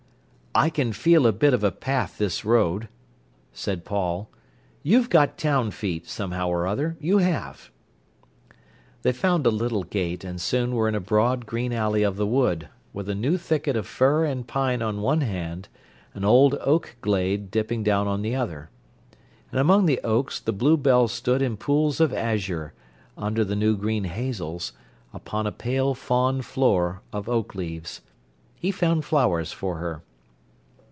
"I can feel a bit of a path this road," said Paul. "You've got town feet, somehow or other, you have." They found a little gate, and soon were in a broad green alley of the wood, with a new thicket of fir and pine on one hand, an old oak glade dipping down on the other. And among the oaks the bluebells stood in pools of azure, under the new green hazels, upon a pale fawn floor of oak leaves. He found flowers for her.